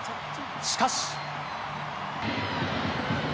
しかし。